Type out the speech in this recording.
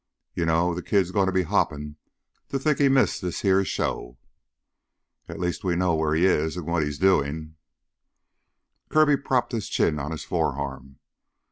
You know, the kid's gonna be hoppin' to think he missed this heah show " "At least we know where he is and what he's doin'." Kirby propped his chin on his forearm.